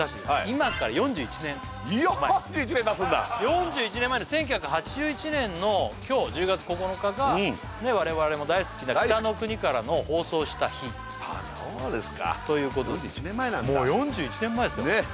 今から４１年前４１年前の１９８１年の今日１０月９日が我々も大好きな「北の国から」の放送した日ああそうですか４１年前なんだということですもう４１年前ですよねえ